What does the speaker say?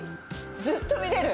ずっと見れる！